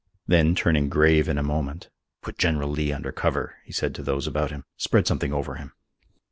Then, turning grave in a moment, "Put General Lee under cover," he said to those about him, "spread something over him."